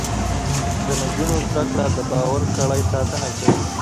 د نجونو زده کړه د باور کړۍ ساتنه کوي.